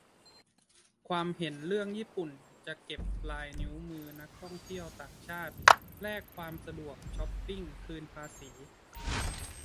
ความเห็นเรื่อง ญี่ปุ่นจะเก็บลายนิ้วมือนักท่องเที่ยวต่างชาติ แลกความสะดวก ช็อปปิ้ง คืนภาษี